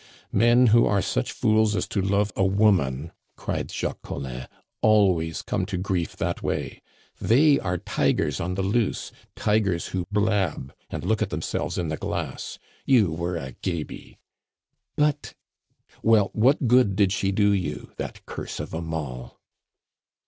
"Men who are such fools as to love a woman," cried Jacques Collin, "always come to grief that way. They are tigers on the loose, tigers who blab and look at themselves in the glass. You were a gaby." "But " "Well, what good did she do you that curse of a moll?"